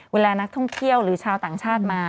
เวลานักท่องเที่ยวหรือชาวต่างชาติมา